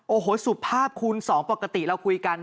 โอ้โหสุภาพคูณ๒ปกติเราคุยกัน